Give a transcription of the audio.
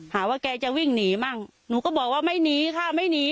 หาว่าแกจะวิ่งหนีมั่งหนูก็บอกว่าไม่หนีค่ะไม่หนี